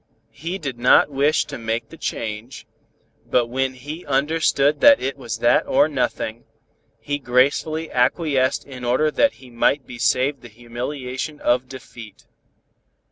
He did not wish to make the change, but when he understood that it was that or nothing, he gracefully acquiesced in order that he might be saved the humiliation of defeat.